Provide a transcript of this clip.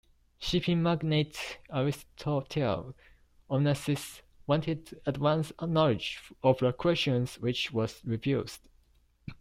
Shipping magnate Aristotle Onassis wanted advance knowledge of the questions which was refused.